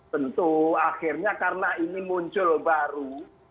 tentu akhirnya karena ini muncul baru